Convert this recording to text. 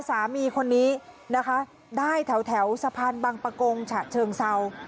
สามีคนนี้นะคะได้แถวสะพานบังปะโกงฉะเชิงเศร้า